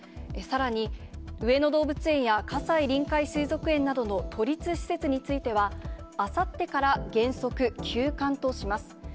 さらに、上野動物園や葛西臨海水族園などの都立施設については、あさってから原則休館とします。